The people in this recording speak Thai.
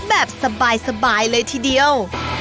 แบบสบายเลยทีเดียว